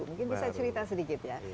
mungkin bisa cerita sedikit ya